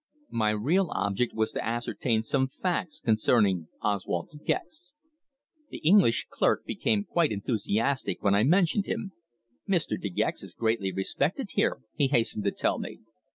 My real object was to ascertain some facts concerning Oswald De Gex. The English clerk became quite enthusiastic when I mentioned him. "Mr. De Gex is greatly respected here," he hastened to tell me.